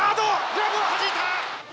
グラブをはじいた！